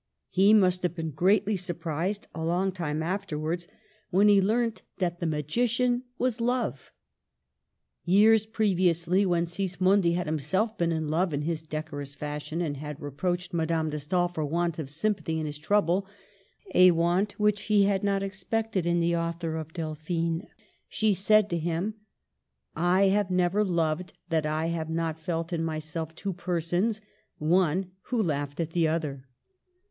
He must have been greatly surprised a long time afterwards when he learnt (162) Digitized by VjOOQIC SECOND MARRIAGE. 163 that the magician was Love. Years previously, when Sismondi had himself been in love in his decorous fashion, and had reproached Madame de Stael for a want of sympathy in his trouble — a want which he had not expected in the author of Delphine — she said to him :" I have never loved that I have not felt in myself two persons — one who laughed at the other."